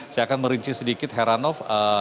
saya akan merinci sedikit heranov